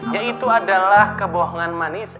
ya itu adalah kebohongan manis